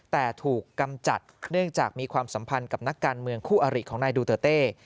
แต่ถูกกำจัดเนื่องจากมีความสัมพันธ์กับนักการเมืองคู่อริของนายดูเตอร์เต้